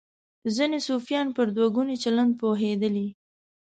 ځینې صوفیان پر دوه ګوني چلند پوهېدلي.